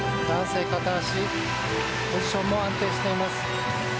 ポジションも安定しています。